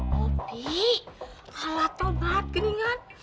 tapi halatau banget gedingan